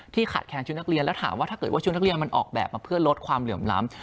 ขาดแคนชุดนักเรียนแล้วถามว่าถ้าเกิดว่าชุดนักเรียนมันออกแบบมาเพื่อลดความเหลื่อมล้ำ